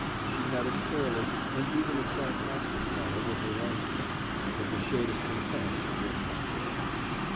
She had a careless, and even a sarcastic manner with her own set; but the shade of contempt was not there.